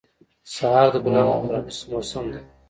سهار د ګلانو د پرانیستو موسم دی.